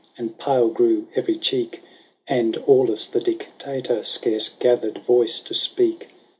And pale grew every cheek ; And Aulus the Dictator Scarce gathered voice to speak.